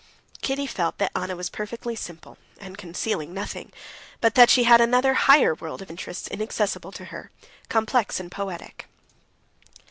Kitty felt that Anna was perfectly simple and was concealing nothing, but that she had another higher world of interests inaccessible to her, complex and poetic.